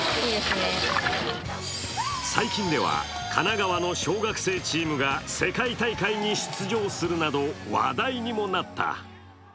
最近では神奈川の小学生チームが世界大会に出場するなど話題にもなった。